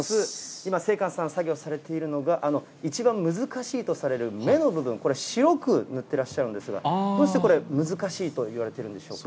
今、星冠さん、作業されているのが、一番難しいとされる目の部分、これ、白く塗ってらっしゃるんですが、どうしてこれ難しいといわれてるんでしょうか。